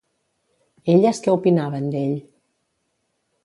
Elles què opinaven d'ell?